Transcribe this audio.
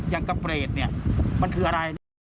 อย่างกับประเด็นแบบนี้มันคืออะไร